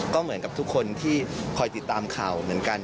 ก็เหมือนกับทุกคนที่คอยติดตามข่าวเหมือนกัน